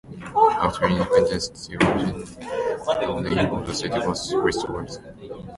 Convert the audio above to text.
After independence the original name of the city was restored.